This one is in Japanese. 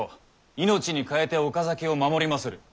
命に代えて岡崎を守りまする。